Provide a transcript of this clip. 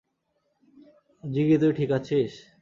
জিগি তুই ঠিক আছিস?